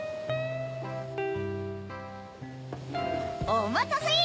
おまたせ！